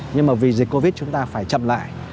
nhưng mà vì dịch covid chúng ta phải chậm lại